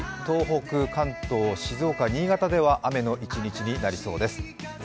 東北、関東、静岡、新潟では雨の一日になりそうです。